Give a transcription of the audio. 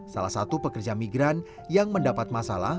salah satu pekerja migran yang mendapat masalah